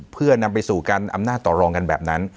เพื่อนำไปสู่การอำนาจต่อรองกันแบบนั้น